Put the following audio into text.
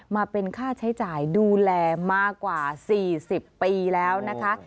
มาเป็นค่าใช้จ่ายดูแลมากว่า๔๐ปีแล้วนะคะ